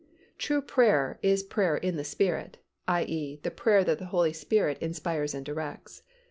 True prayer is prayer in the Spirit (i. e., the prayer that the Holy Spirit inspires and directs).